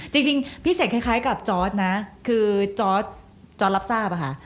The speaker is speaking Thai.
จริงพี่เสกคล้ายกับจอร์ดนะคือจอร์ดรับทราบอะค่ะ